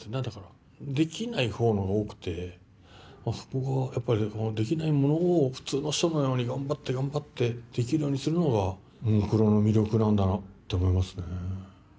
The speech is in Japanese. だからできないほうのが多くてそこができないものを普通の人のように頑張って頑張ってできるようにするのがももクロの魅力なんだなって思いますね